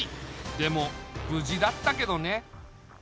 でもぶじだったけどね。